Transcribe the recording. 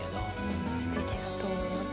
すてきだと思います。